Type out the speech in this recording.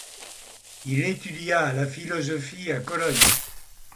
Il étudia la philosophie à Cologne.